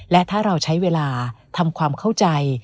และถ้าเราใช้เวลาทำความเข้าใจ